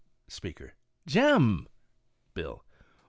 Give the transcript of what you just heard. Speaker. "Jem!'' Bill.